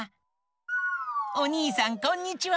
おにいさんこんにちは。